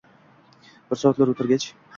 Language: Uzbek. Bir soatlar o'tirgach